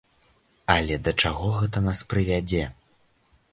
Але да чаго гэта нас прывядзе?